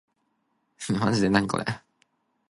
我約你隻揪,唔係投訴呀